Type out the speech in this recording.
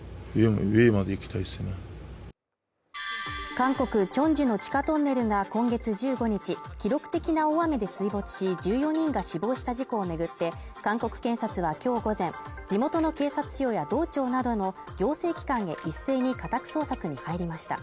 韓国チョンジュの地下トンネルが今月１５日記録的な大雨で水没し１４人が死亡した事故を巡って韓国検察は今日午前地元の警察署や道庁などの行政機関を一斉に家宅捜索に入りました